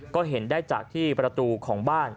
ก็เห็นได้จากที่ประตูของบ้าน